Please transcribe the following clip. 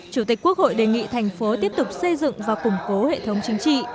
chủ tịch quốc hội đề nghị thành phố tiếp tục xây dựng và củng cố hệ thống chính trị